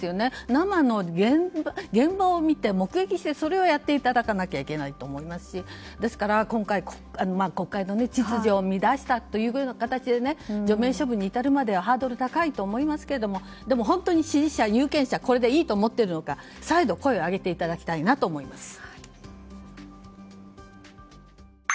生の現場を見てそれをやっていただかないといけないと思いますし今回、国会の秩序を乱したという形で除名処分に至るまではハードルが高いと思いますけど本当に支持者、有権者これでいいと思っているのか再度、声を上げていただきたいなと思います。